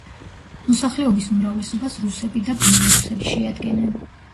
მოსახლეობის უმრავლესობას რუსები და ბელორუსები შეადგენენ.